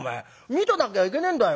見てなきゃいけねえんだよ」。